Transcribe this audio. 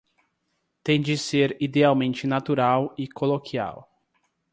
Tem de ser idealmente natural e coloquial.